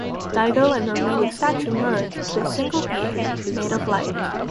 Daigo and the remaining statue merge into a single being, made of light.